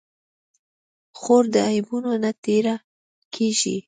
خور د عیبونو نه تېره کېږي.